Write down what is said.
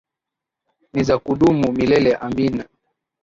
Nizakudumu milele amina.